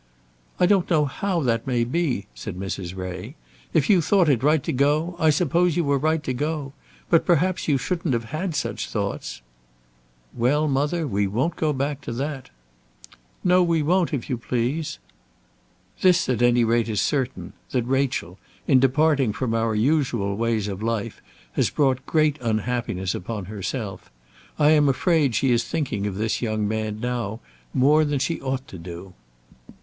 "I don't know how that may be," said Mrs. Ray. "If you thought it right to go I suppose you were right to go; but perhaps you shouldn't have had such thoughts." "Well, mother, we won't go back to that." "No; we won't, if you please." "This at any rate is certain, that Rachel, in departing from our usual ways of life, has brought great unhappiness upon herself. I'm afraid she is thinking of this young man now more than she ought to do."